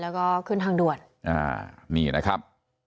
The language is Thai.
แล้วก็ขึ้นทางด่วนอ่านี่นะครับ